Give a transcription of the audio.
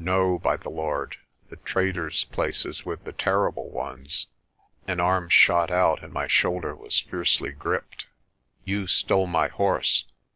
No, by the Lord! The trader's place is with the Terrible Ones." An arm shot out and my shoulder was fiercely gripped. "You stole my horse.